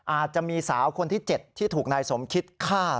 อาจจะมีสาวคนที่๗ที่ถูกนายสมคิดฆ่า